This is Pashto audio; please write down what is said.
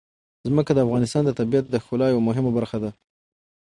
ځمکه د افغانستان د طبیعت د ښکلا یوه مهمه برخه ده.